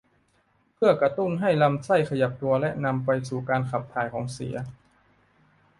เพื่อกระตุ้นให้ลำไส้ขยับตัวและนำไปสู่การขับถ่ายของเสีย